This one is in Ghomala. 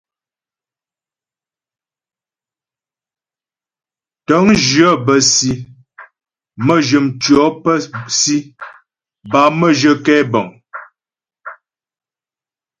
Tə̂ŋjyə bə́ si, mə́jyə mtʉɔ̌ pə́ si bâ mə́jyə kɛbəŋ.